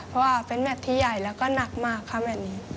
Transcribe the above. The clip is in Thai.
เพราะว่าเป็นแมทที่ใหญ่แล้วก็หนักมากค่ะแมทนี้